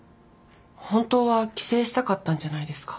本当は帰省したかったんじゃないですか？